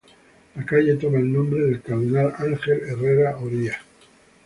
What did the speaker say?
La calle toma el nombre del cardenal Ángel Herrera Oria.